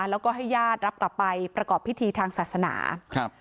แล้วก็ให้ญาติรับกลับไปประกอบพิธีทางศาสนาครับ